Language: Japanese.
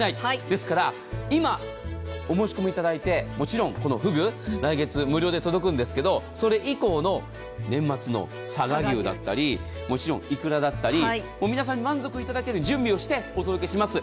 ですから今、お申し込みいただいてもちろん、このふぐ来月、無料で届くんですがそれ以降の年末の佐賀牛だったりいくらだったり皆さんに満足いただける準備をしてお届けします。